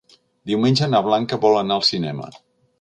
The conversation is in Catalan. Diumenge na Blanca vol anar al cinema.